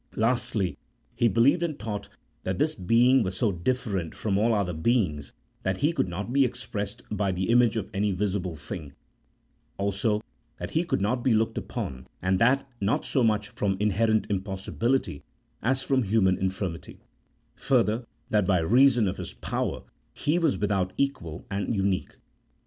Lastly, he believed and taught that this Being was so different from all other beings, that He could not be expressed by the image of any visible thing ; also, that He could not be looked upon, and that not so much from inherent impossibility as from human infirmity y further, that by reason of His power He was without equal and unique.